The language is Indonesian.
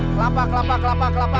kelapa kelapa kelapa kelapa